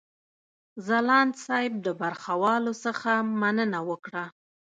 ځلاند صاحب د برخوالو څخه مننه وکړه.